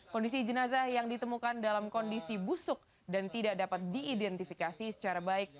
kondisi jenazah yang ditemukan dalam kondisi busuk dan tidak dapat diidentifikasi secara baik